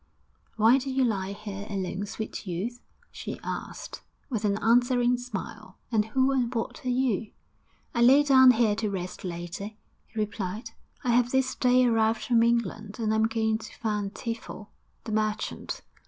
'Why do you lie here alone, sweet youth?' she asked, with an answering smile. 'And who and what are you?' 'I lay down here to rest, lady,' he replied. 'I have this day arrived from England, and I am going to Van Tiefel, the merchant.'